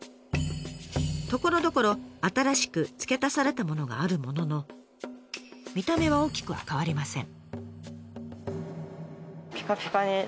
ところどころ新しく付け足されたものがあるものの見た目は大きくは変わりません。